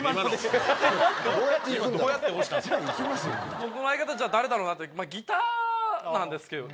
僕の相方じゃあ誰だろうなってギターなんですけども。